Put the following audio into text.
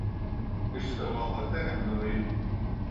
اشتباهات املایی